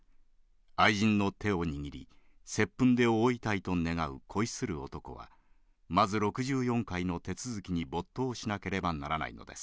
愛人の手を握り接吻で覆いたいと願う恋する男はまず６４回の手続きに没頭しなければならないのです。